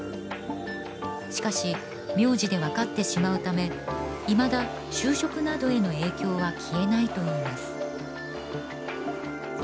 しかし名字でわかってしまうためいまだ就職などへの影響は消えないといいます